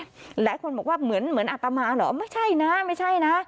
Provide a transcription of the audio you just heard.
หลายคนบอกว่าเหมือนอัตมาเหรอไม่ใช่นะไม่ใช่นะ